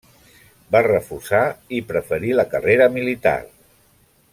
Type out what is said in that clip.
Va refusar i preferir la carrera militar.